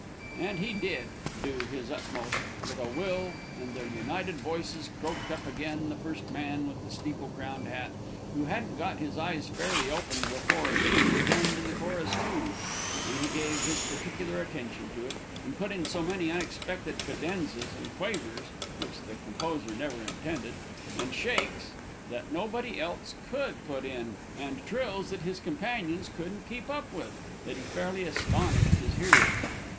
And he did do his little utmost with a will, and their united voices croaked up again the first man with the steeple crowned hat, who hadn't got his eyes fairly opened before he joined in the chorus too, and he gave his particular attention to it, and put in so many unexpected cadenzas and quavers which the composer never intended, and shakes that nobody else could put in, and trills that his companions couldn't keep up with, that he fairly astonished his hearers.